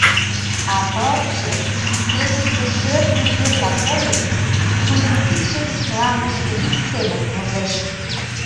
А пырче, кечыште шӧртньӧ йӱрла койын, тудын кидше гыч мландышке ик семын возеш.